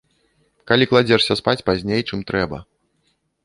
Калі кладзешся спаць пазней, чым трэба.